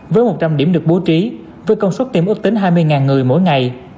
với một trăm linh điểm được bố trí với công suất tiêm ước tính hai mươi người mỗi ngày